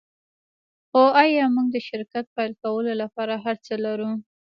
خو ایا موږ د شرکت پیل کولو لپاره هرڅه لرو